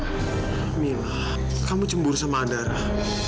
kamil kamu cemburu sama darah